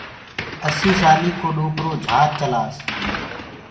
اسي سآلي ڪو ڏوڪرو جھاج چلآس